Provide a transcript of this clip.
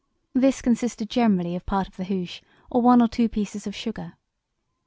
This consisted generally of part of the hoosh or one or two pieces of sugar.